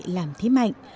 làm thế mạnh